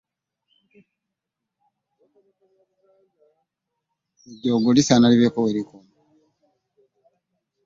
Ejjoogo oluusi lisaana libeeko we likoma.